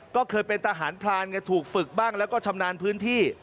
ก็เคยเป็นทหารพรานไงถูกฝึกบ้างแล้วก็ชำนาญพื้นที่